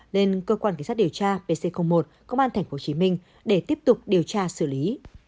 lên cơ quan kỳ sát điều tra pc một công an tp hcm để tiếp tục điều tra xử lý